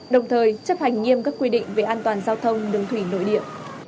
đồng thời chấp hành nghiêm các quy định về an toàn giao thông đường thủy nội địa